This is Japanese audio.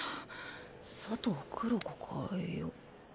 佐藤黒呼かよ。